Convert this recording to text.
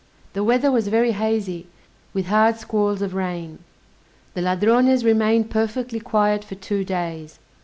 The weather was very hazy, with hard squalls of rain. The Ladrones remained perfectly quiet for two days.